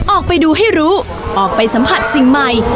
ออกไปดูให้รู้ออกไปสัมผัสสิ่งใหม่